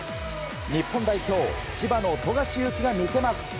日本代表、千葉の富樫勇樹が見せます。